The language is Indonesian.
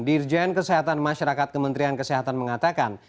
dirjen kesehatan masyarakat kementerian kesehatan mengatakan